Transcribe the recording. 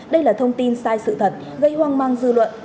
đây là thông tin sai sự thật gây hoang mang dư luận